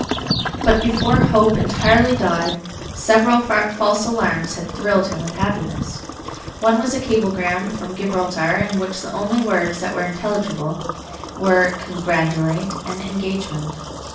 But before hope entirely died, several false alarms had thrilled him with happiness. One was a cablegram from Gibraltar in which the only words that were intelligible were "congratulate" and "engagement."